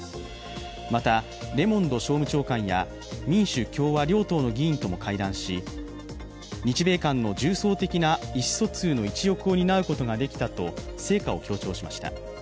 また、レモンド商務長官や民主・共和両党の議員とも会談し日米間の重層的な意思疎通の一翼を担うことができたと成果を強調しました。